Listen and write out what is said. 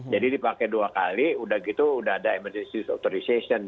dipakai dua kali udah gitu udah ada emergency authorization